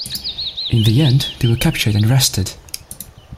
In the end they were captured and arrested.